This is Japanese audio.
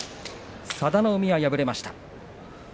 佐田の海は敗れました。